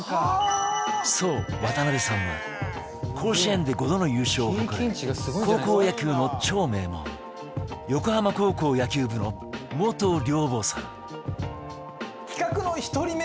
そう渡邊さんは甲子園で５度の優勝を誇る高校野球の超名門横浜高校野球部の元寮母さん